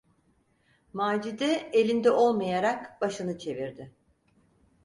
Macide elinde olmayarak başını çevirdi.